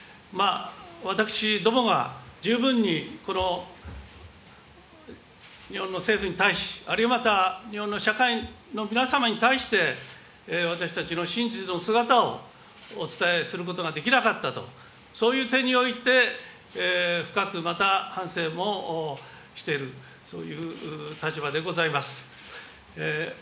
私どもが十分にこの日本の政府に対し、あるいはまた日本の社会の皆様に対して、私たちの真実の姿をお伝えすることができなかったと、そういう点において、深くまた反省もしている、そういう立場でございます。